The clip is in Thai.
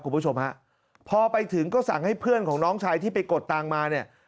คุณผู้ชมฮะพอไปถึงก็สั่งให้เพื่อนของน้องชายที่ไปกดตังค์มาเนี่ย